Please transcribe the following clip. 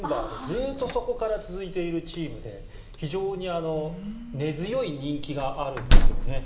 ずっとそこから続いているチームで非常に根強い人気があるんですよね。